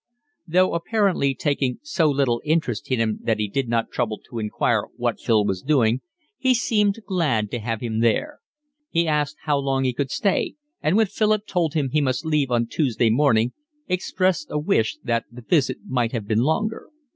Though apparently taking so little interest in him that he did not trouble to inquire what Phil was doing, he seemed glad to have him there. He asked how long he could stay, and when Philip told him he must leave on Tuesday morning, expressed a wish that the visit might have been longer.